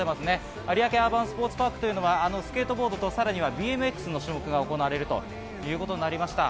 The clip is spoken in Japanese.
有明アーバンスポーツパークはスケートボードとＢＭＸの種目が行われるということになりました。